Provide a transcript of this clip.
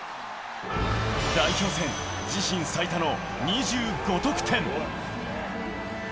代表戦、自身最多の２５得点。